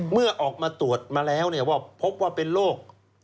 เมื่อออกมาตรวจมาแล้วว่าพบว่าเป็นโรค